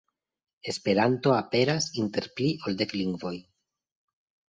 Esperanto aperas inter pli ol dek lingvoj.